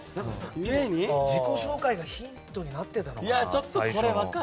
自己紹介がヒントになってたのかな。